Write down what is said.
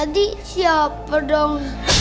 tadi siapa dong